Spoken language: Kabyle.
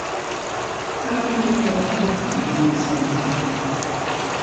Ar melmi akka ara tettabaɛem ayen ur nesɛi lmeɛna.